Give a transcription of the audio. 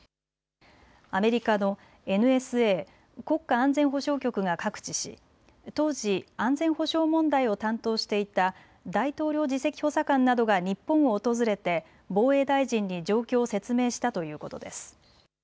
アメリカのＮＳＡ・国家安全保障局が覚知し当時、安全保障問題を担当していた大統領次席補佐官などが日本を訪れて防衛大臣に状況を説明したということです。